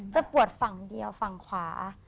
ปวดฝั่งเดียวฝั่งขวา